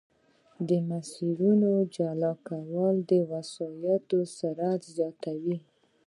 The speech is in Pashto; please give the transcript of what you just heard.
د مسیرونو جلا کول د وسایطو سرعت زیاتوي